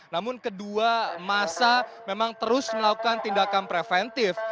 namun kedua masa memang terus melakukan tindakan preventif